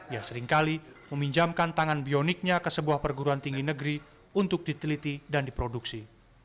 ia seringkali meminjamkan tangan bioniknya ke sebuah perguruan tinggi negeri untuk diteliti dan diproduksi